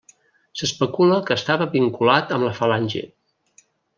S’especula que estava vinculat amb la Falange.